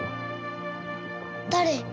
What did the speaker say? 誰？